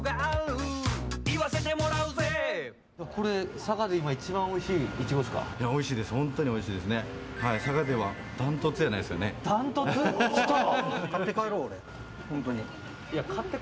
佐賀で今一番おいしいイチゴですか？